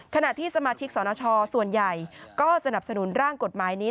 ขณะที่สมาชิกสนชส่วนใหญ่ก็สนับสนุนร่างกฎหมายนี้